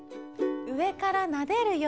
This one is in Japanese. うえからなでるように。